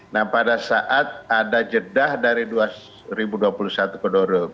nah pada saat ada jedah dari dua ribu dua puluh satu ke dua ribu dua puluh